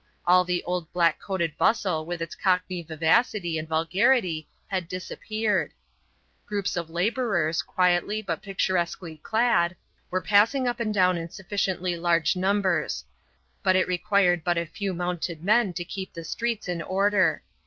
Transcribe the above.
All the old blackcoated bustle with its cockney vivacity and vulgarity had disappeared. Groups of labourers, quietly but picturesquely clad, were passing up and down in sufficiently large numbers; but it required but a few mounted men to keep the streets in order.